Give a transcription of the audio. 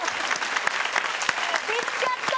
見つかった！